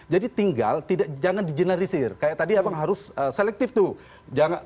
jadi tinggal tidak jangan digenerisir kayak tadi abang harus selektif tuh